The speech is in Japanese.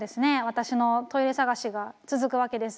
私のトイレ探しが続くわけです。